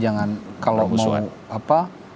jangan kalau usulan apa